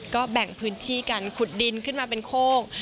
ก็แบ่งพื้นที่กันขุดดินขึ้นมาเป็นโค้ง